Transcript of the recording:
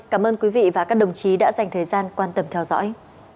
cảm ơn quý vị và các đồng chí đã dành thời gian quan tâm theo dõi